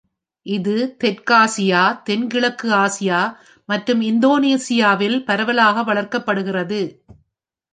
இது தெற்காசியா, தென்கிழக்கு ஆசியா மற்றும் இந்தோனேசியாவில் பரவலாக வளர்க்கப்படுகிறது.